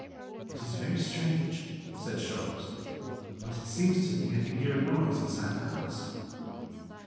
"It is very strange," said Sholmes, "but it seems to me I can hear a noise inside the house."